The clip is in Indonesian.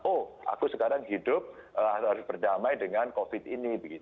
oh aku sekarang hidup harus berdamai dengan covid ini